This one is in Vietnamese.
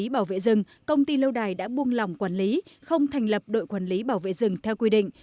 bảo vệ rừng công ty lâu đài đã buông lỏng quản lý không thành lập đội quản lý bảo vệ rừng theo quy định